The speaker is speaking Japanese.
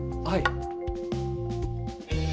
はい。